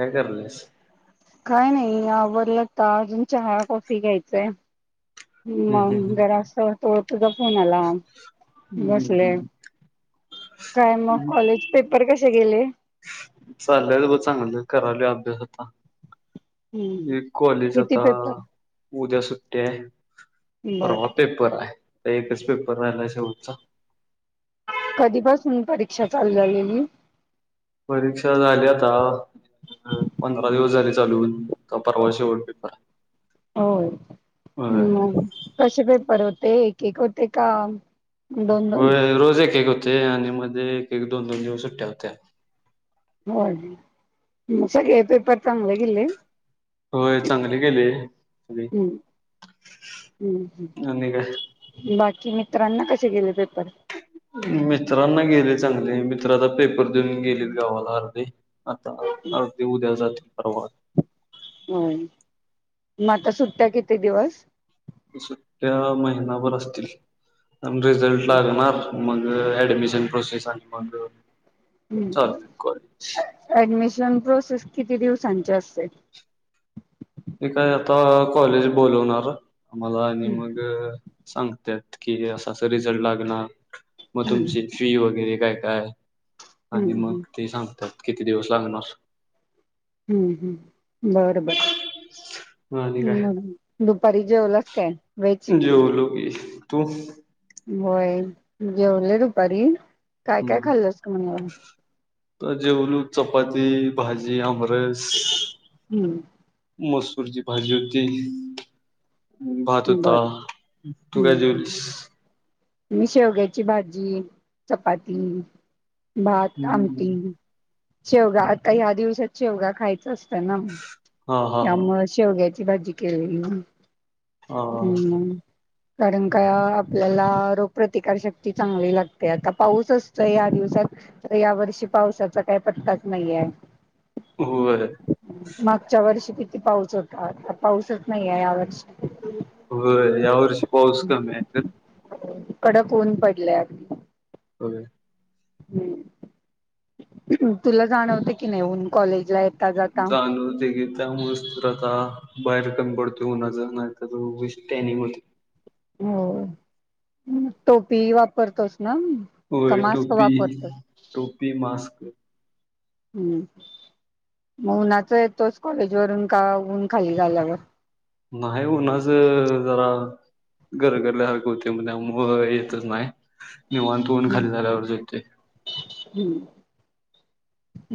काय कराल्यास काय नाही आवलाता अजून चहा कॉफी घ्यायचय हम्म मग हम्म जरासं तुझा फोन आला बसले हम्म काय मग कॉलेज पेपर कसे गेले चाल्यात बघ चांगल करालोय अभ्यास आता हम्म कॉलेज किती आता पेपर उद्या सुट्टी आहे बर परवा पेपर आहे एकच पेपर राहिलाय शेवट चा कधीपासून परीक्षा चालू झालेली परीक्षा झाली आता पंधरा दिवस झाली चालू परवा शेवट पेपर आहे हो होय. म कसे पेपर होत ते एकेक होते का? दोन दोन होय. रोज एकेक होत ते आणि मध्ये एक एक, दोन दोन दिवस सुट्टया होत्या. [unintelligible] म सगळे पेपर चांगले गेले. होय चांगले गेले सगळे हम्म आणि काय? की मित्रांना कसे गेले पेपर? मित्रांना गेले चांगले. मित्राचा पेपर देऊन गेलेत गावाला अर्धे. आता अगदी उद्या जाते. परवा. होय. म आता सुट्टया किती दिवस? सुट्ट्या महिनाभर असतील. अन रिझल्ट लागणार. मग ऍडमिशन प्रोसेस आली मग हम्म सावकाश [unintelligible] प्रोसेस किती दिवसांची असते? ते काय आता कॉलेज बोलवणार. आम्हाला आणि हम्म मग सांगत्यात की असं अस रिझल्ट लागणार. म हम्म तुमची फी वगैरे काय? काय आणि मग हम्म. ते सांगत्यात. किती दिवस लागणार. हम्म हम्म बरं बर. आणि काय मग दुपारी जेवलास काय वेज? जेवलो की तू? होय. जेवले दुपारी. काय काय खाल्लंस तू [unintelligible] अ जेवलो चपाती, भाजी आम [unintelligible] हम्म मस् [unintelligible] भाजी होती. भात होता. बरं तू काय हम्म हम्म जेवलीस? मी शेवग्याची भाजी, चपाती. भात, हम्म. आमटी. शेवगा आता ह्या दिवसात शेवगा खायचा [unintelligible] [unintelligible] हा हा त्यामुळं शेवग्या भाजी केली येऊन हा हा कारण का आपल्याला रोगप्रतिकार शक्ती चांगली लागते आता पाऊस असतोय या दिवसात तर या वर्षी पावसाचा काय पत्ताच नाही आहे. होय मागच्या वर्षी किती. पाऊस होता पाऊसच नाही आहे या वर्षी हो या वर्षी पाऊस कमी आहे तर कडक ऊन पडले आमच्या होय तुला जाणवते की नाही ऊन कॉलेजला जाता जाणवतंय की त्या मुळेच तर आता बाहेर कमी पडतो उन्हाच उगाच टॅनिंग होते हो टोपी वापरतोस. ना का होय मास्क टोपी वापरतोस टोपी मास्क. हम्म मग उन्हाच येतोच कॉलेज वरून का ऊन खाली झाल्यावर नाही उन्हाच जरा ग रगरल्यासारखे होते म्हणल्यावर येतच नाही निवांत ऊन खाली झाल्यावरच येतोय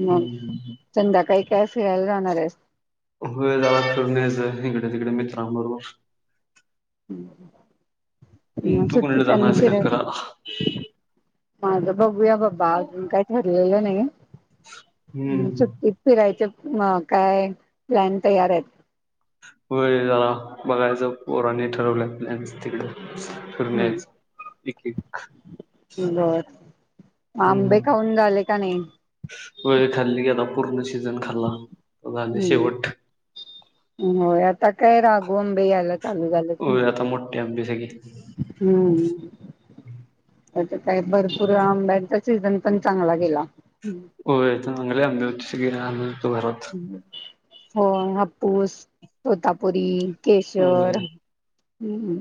ह चंदा काई कायसयल [unintelligible] वेळ झाला फिरून यायचं इकडे तिकडे मित्रांबरोबर हम्म हम् तू कोलं जाना का फरा माझं बघूया बाबा अजून काय ठरलेलं नाही हम् हम्म सुट्ट फिरायचे म काय प्लॅन तयार आहेत होय जला बघायचं पोराने ठरवलं प्लनस तिकडे फिरून हम् यायच बर आंबे खाऊन झाले का नाही [inaudible] सीजन खाल्ला ग हम्म शेवट होय आता काय राघू आंबे आल होय आता मोठे आंबे हे घे हम्म काय भरपूर आंब्यांचा सीझन पण चांगला गेला हो य अंगला आम् हो त ग आम हम् हो हप्पूस तोतापुरी होय किशोर हम्म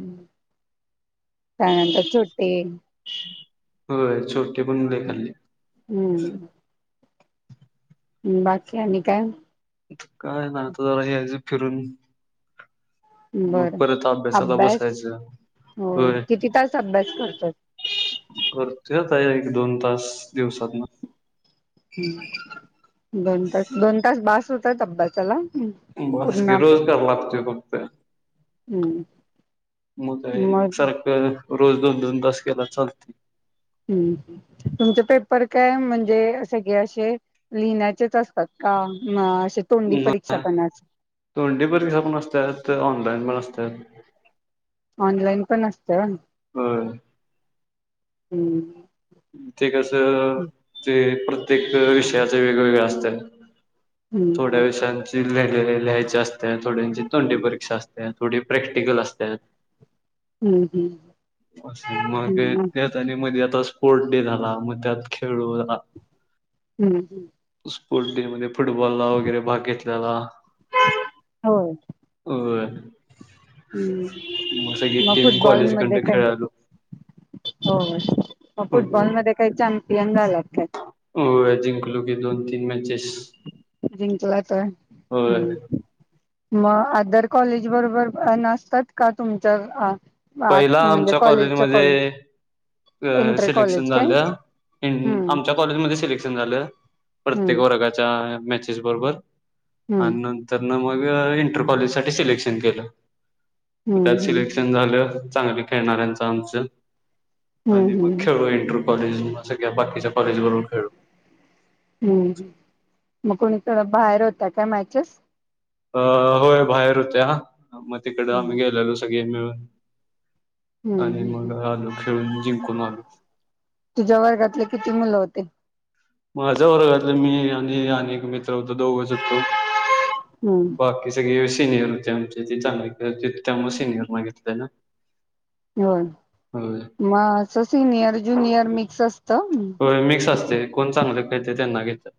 त्यानंतर सुुट्टी होय चो टिकून देखाल्ली ् बाकी आणि काय काय नाही आता जरा हे करून बरं अभ्यास बसायचं हो होय किती तास अभ्यास करतात करतोय एक दोन तास दिवसात ना... हम् दोन तास दोन तास बास होतय अभ्यासाला... बस पूर्ण कि अभ्यास रोजगार लागतोय फक्त.. हम्म... मग मग एकसारख रोज दोन दोन तास केला चालतोय तुमच पेपर काय म्हणजे सगळे असे लिहिण्याचेच असतात का? तोंडी परीक्षा पण अस तोंडी परीक्षा पण असत ऑनलाईन पण असत. तर ऑनलाईन पण असतं. हम... हम्म... ते कसं ते प्रत्येक विषया... वेगवेगळे असत. थोड्या हम्म विषांची वेगळे... लिहायचे असते थोड्यांची तोंडी परीक्षा असते थोडी प्रॅक्टिकल असते. हम्म असं मग हम्म हम्म त्याच मध्ये आ दस.. स्पोर्ट डे झाला मग त्यात खेळू... हम्म स्पोर्ट डे मध्ये फुटबॉल ला वगैरे भाग घेतलेला.. होय हो... हम्म मग टीम फुटबॉल मध्ये कॉलेजकडनं काय? खेळायलो हो.. म फुटबॉलमध्ये काही छान... यंगाल लागत... हो जिंकलू की दोन तीन मॅचेस... जिंकलाताय होय... होय. मग आदर कॉलेज बरोबर नसतात का तुमच्या... आत पहिला म्हणजे आमच्या कॉलेजच्या कॉलेज कॉलेजमध्ये इंटर सिलेक्शन कॉलेज काय झालं हम्म आमच्या कॉलेजमध्ये सिलेक्शन झालं प्रत्येक हम्म वर्गाच्या... मॅचेस बरोबर... हम्म आणि नंतर न म.... इंटर कॉलेज साठी सिलेक्शन केलं... हम्म त्यात हम्म सिलेक्शन झालं... चांगली खेळणाऱ्यांचं आमचं... हम्म आणि मग हम्म खेळू इंटर कॉलेज... सगळ्या बाकीच्या कॉलेज बरोबर खेळलो. हम्म मग कोणी तर बाहेर होत काय? मॅचेस अ होय बाहेर होत्या. म तिकड हम्म आम्ही गेलेलो सग गेे मिळून हम्म आणि हम्म मग आलो खेळून जिंकून आलो. तुझ्या वर्गातले किती मुलं होते? माझ वर्गातले मी आणि अनेक मित्र ह दोघच हुतो हम्म बाकी सगळे सीनियर. जे आमच्या इथली चांगली खेळायचीत, त्यामुळं सिनियर मागितलंय ना. होय होय म अस सीनियर ज्युनियर मिक्स अस होय मिक्स असतय कोण चांगल खेळतय त्यांना घेत [inaudible]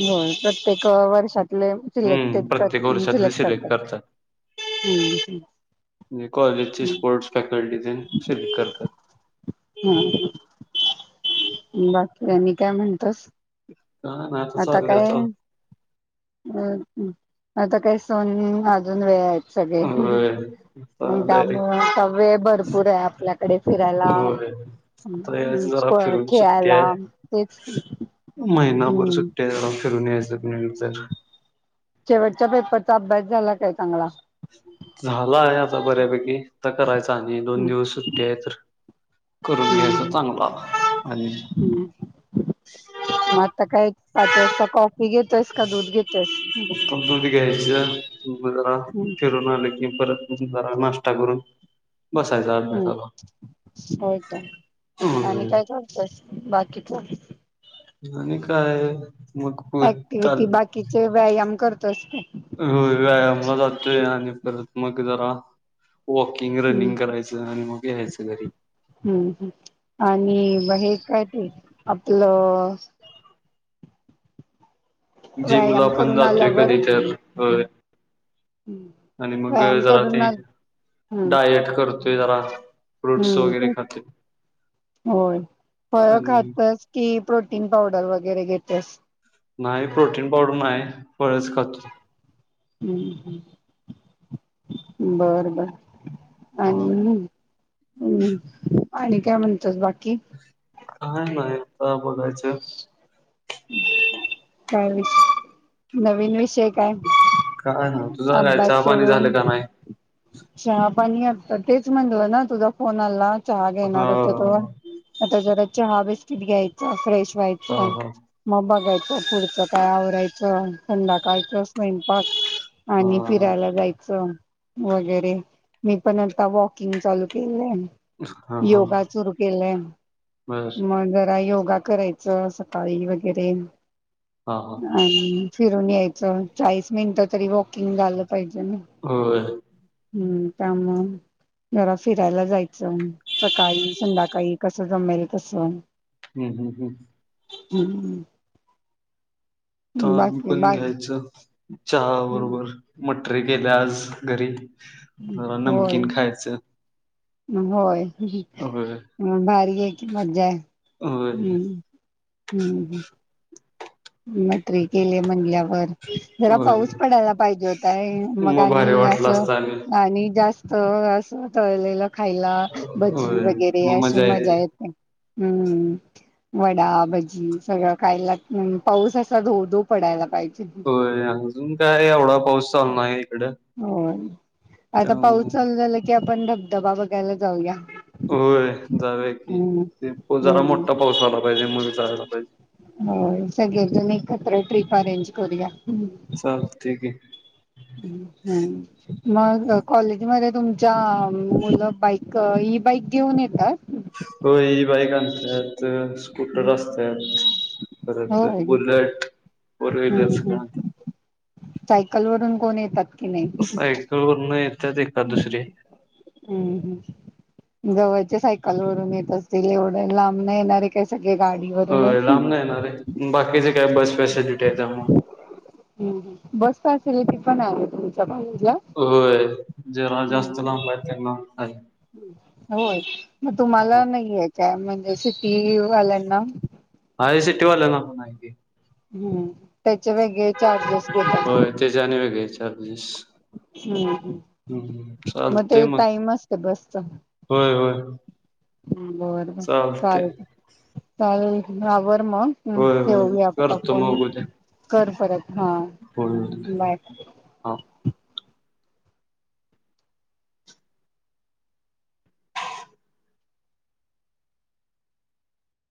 होय प्रत्येक वर्षातले हम्म सिलेक्टेड कर प्रत्येक वर्षातली सिलेक्ट करतात, हम्म म्हजे कॉलेजची स्पोर्ट्स फॅकल्टी तेन सिलेक्ट करतात. हम्म काय आणि काय म्हणतोस? [inaudible] आता काय अ आता काही सोन अजून वेळ हाय सगळे होय आता डायरेक्ट त्यामुंळ सगळे भरपूर आहे आपल्याकडे, फिरायला होय आता हम्म यायचं जरा स्प फिरून सुट्टी खेळायला हेच की अवघड सुट्टी हाय जरा फिरून यायचं [unintelligible] शेवटच्या पेपरचा अभ्यास झाला काय चांगला झालाय आता बऱ्यापैकी करायच आणि दोन हम्म दिवस सुट्टी आहे तर करून घ्यायचा हम्म चांगला आणि म आता काय पाच वाजता घेतोयस का दूध घेतोयस कंपनीत घ्यायच म जरा हम्म फिरून आलं कि परत म जरा नाश्ता करून बसायचा अभ्यासाला हम्म होय की आणि होय काय करतोय? बाकी काय? आणि काय? मग ऍक्टिव्हटी बाकीचे व्यायाम करत असते. होय व्यायामला जातोय आणि [unintelligible] मग जरा वॉकिंग, हम्म रनिंग करायचं आणि मग यायचं घरी हम्म आणि हे काय ते आपलं [inaudible] जी मुला व्यायाम पण करून जातोय आल्यावर कधी तर होय [unintelligible] आणि मग व्यायाम जरा करून ते आल हम्म डायट करतोय, जरा फ्रूट्स हम्म वगैरे ते खाते होय फळ आणि खातस की प्रोटीन पावडर वगैरे घेतेस, नाही प्रोटीन पावडर नाही. फळच खातोय हम्म हम् बर बर आणि हम्म आणि काय म्हणतोस बाकी, ह म ह काय नवीन विषय काय? काय ना तुझंय चहापाणी झालं का नाही. अच्छा पण तेच म्हणत ना तुझा फोन आला. चहा घेणार हा होते तेव्हा चहा बिस्किट घ्यायचा, फ्रेश हा य हा मग बघायच पुढच काय आव [unintelligible] संध्याकाळच स्वयंपाक आणि हा फिरायला जायचं वगैरे मी पण आता वॉकिंग चालू केलं. हा हा योगा सुरू केलंय, बर मग जरा योग योगा करायच सकाळी वगैरे हा हा आणि फिरून येई चाळीस मिनिटं तरी वॉकिंग झालं. पाहिजे ना होय हम्म त्यामुळ जरा फिरायला जायचं सकाळी संध्याकाळी कसं जमेल तस हम्म हम्म हम्म हम्म आता आम्ही बाकी पण बा घ्यायचं. चहा बरोबर म टरी केल्या आज घरी जरा नमकीन खायचं. [unintelligible] म होय हम भारी आहे की मज्जा आहे होय हम्, हम्, ह. मटरी केल्या म्हणल्यावर. जरा होय पाऊस पडायला पाहिजे होता हे मग भारी आणि वाटलं असं असतं आणि जास्त. हो अस तळलेला खायला भजी वगैरे अशी मजा येते. हम्म, वडा भजी सगळं खयला लागतंय. पाऊस असा धो-धो पडायला पाहिजे. होय अजून काय एवढा पाऊस चालू नाय इकड हो [inaudible] आता पाऊस त्यामुळं. चालू झाला की आपण धबधबा बघायला जाऊया. होय जाऊया की हम्म ते जरा हम्म मोठा पाऊस आला पाहिजे मग जायला पाहिजे. एकदम एकत्र ट्रिप अरेंज करूया. [inaudible] चालतंय की. हम्, हम्म. मग कॉलेजमध्ये तुमच्या मुलं बाईक, ई-बाईक घेऊन येतात. होय. बाईक आणत्यात. स्कूटर असत्यात, परत होय बुलट. हम्म, ह् सायकल वरून कोण ये त. सायकल वरून येत्यात एकाद दुसरी. हम्म हम्म [inaudible] जवळचे सायकल वरून येत असतील एवढं लांब नाही येणारे काय सो अ लांब न येणारे बाकीचे काय बस स्पेशली कुठ येता म? स्वस्थ असेल तर मी पण आहे तुमच्यात ह. होय. जेरा जास्त लांब आहे त्यांना आहे. होय मग तुम्हाला हा नाही आहे काय? म्हणजे सिटीवाल्यांना [inaudible] टीवाल्यांना पण हाय की. हम्म. त्याचे वेगळे चार्जेस घेत होय असतील. त्याचे आणि वेगळे चार्जेस. हम् हम्म मग चालतंय ते टाईम असते बसचा. होय होय ह् बर बर चाले चालतंय. चालेल. ड्रायव्हर. मग होय होय ठेवमी अता करतो फोन मग उद्या कर परत हा फोन. बाय. हा.